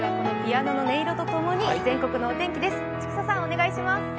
ピアノの音色と共に全国のお天気です。